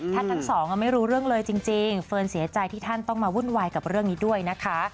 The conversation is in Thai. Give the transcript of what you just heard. ทั้งสองไม่รู้เรื่องเลยจริงเฟิร์นเสียใจที่ท่านต้องมาวุ่นวายกับเรื่องนี้ด้วยนะคะ